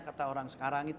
kata orang sekarang itu